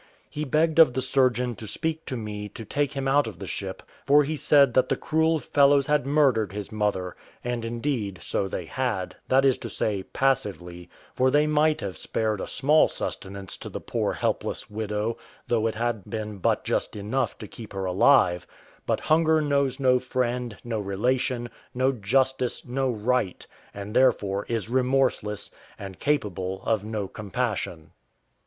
He begged of the surgeon to speak to me to take him out of the ship; for he said the cruel fellows had murdered his mother: and indeed so they had, that is to say, passively; for they might have spared a small sustenance to the poor helpless widow, though it had been but just enough to keep her alive; but hunger knows no friend, no relation, no justice, no right, and therefore is remorseless, and capable of no compassion.